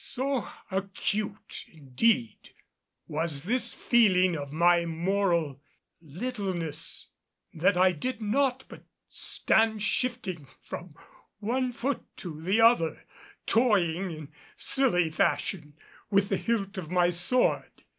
So acute indeed was this feeling of my moral littleness that I did naught but stand shifting from one foot to the other, toying in silly fashion with the hilt of my sword.